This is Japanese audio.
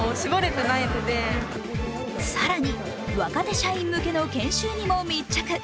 さらに若手社員向けの研修にも密着。